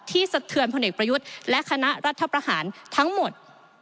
สะเทือนพลเอกประยุทธ์และคณะรัฐประหารทั้งหมด